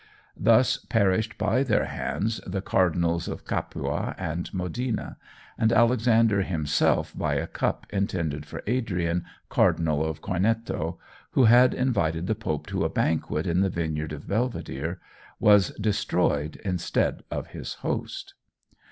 Thus perished by their hands the Cardinals of Capua and Modena; and Alexander himself by a cup intended for Adrian, Cardinal of Corneto, who had invited the pope to a banquet in the Vineyard of Belvedere, was destroyed instead of his host.